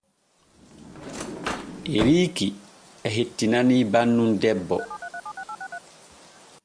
Eriki e hettinanii bannun debbo.